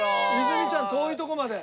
泉ちゃん遠いとこまで。